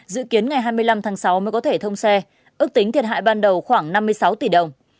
dự kiến ngày hai mươi năm tháng sáu mới có thể thông xe ước tính thiệt hại ban đầu khoảng năm mươi sáu tỷ đồng